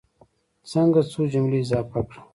څنګه څو جملې اضافه کړم.